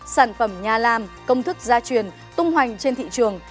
sản phẩm nhà làm công thức gia truyền tung hoành trên thị trường